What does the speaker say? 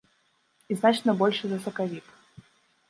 І значна большы за сакавік.